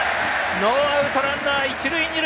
ノーアウト、ランナー、一塁二塁。